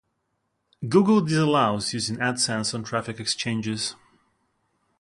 Google disallows using AdSense on Traffic Exchanges.